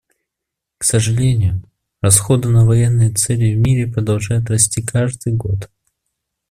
К сожалению, расходы на военные цели в мире продолжают расти каждый год.